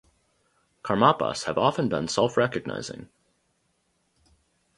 Karmapas have often been self-recognizing.